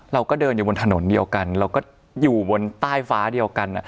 เราก็เดินอยู่บนถนนเดียวกันเราก็อยู่บนใต้ฟ้าเดียวกัน